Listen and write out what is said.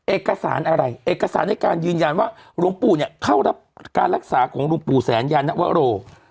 เอกสารอะไรเอกสารในการยืนยันว่าหลวงปู่เนี่ยเข้ารับการรักษาของหลวงปู่แสนยานวโร